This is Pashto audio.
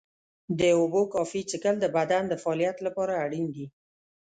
د اوبو کافي څښل د بدن د فعالیت لپاره اړین دي.